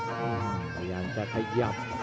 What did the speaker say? อาหงษ์เรียงจะขยับ